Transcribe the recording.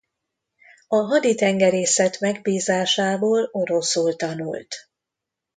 A haditengerészet megbízásából oroszul tanult.